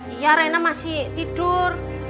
iya reina masih tidur